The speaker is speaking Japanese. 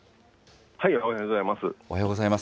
おはようございます。